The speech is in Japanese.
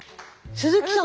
鈴木さん。